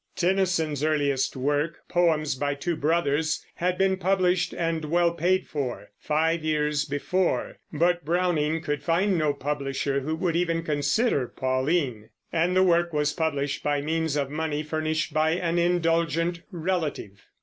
Tennyson's earliest work, Poems by Two Brothers, had been published and well paid for, five years before; but Browning could find no publisher who would even consider Pauline, and the work was published by means of money furnished by an indulgent relative.